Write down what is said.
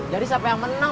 jadi siapa yang menang